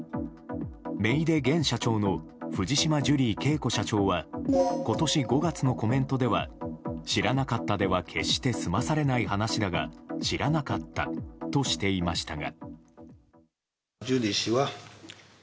めいで現社長の藤島ジュリー景子社長は今年５月のコメントでは知らなかったでは決して済まされない話だが知らなかったとしていましたが。